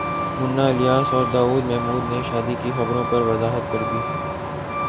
منہ الیاس اور داور محمود نے شادی کی خبروں پر وضاحت کردی